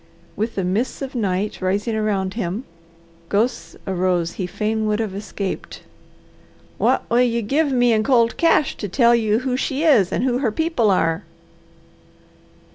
With the mists of night rising around him, ghosts arose he fain would have escaped. "What will you give me in cold cash to tell you who she is, and who her people are?"